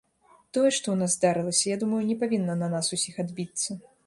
Тое, што ў нас здарылася, я думаю, не павінна на нас усіх адбіцца.